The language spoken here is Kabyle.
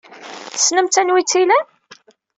Tessnem-tt anwa ay tt-ilan?